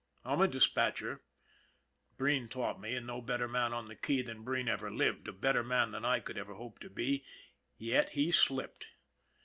I'm a dis patcher Breen taught me, and no better man on the " key " than Breen ever lived, a better man than I could ever hope to be, yet he slipped.